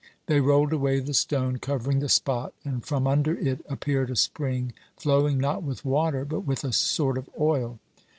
They rolled away the stone covering the spot, and from under it appeared a spring flowing not with water, but with a sort of oil.